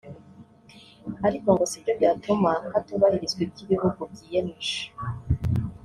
ariko ngo sibyo byatuma hatubahirizwa ibyo ibihugu byiyemeje